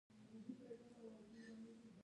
د ژبې خدمت نړیوال معیار دی.